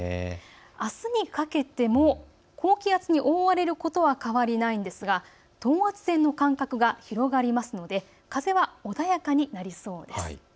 あすにかけても高気圧に覆われることは変わりないんですが等圧線の間隔が広がりますので風は穏やかになりそうです。